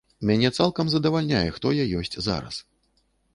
Мяне цалкам задавальняе, хто я ёсць зараз.